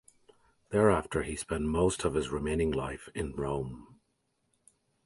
Thereafter he spent most of his remaining life in Rome.